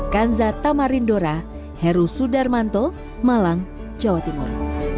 kanza tamarindora heru sudarmanto malang jawa timur